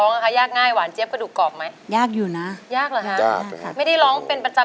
สวัสดีครับ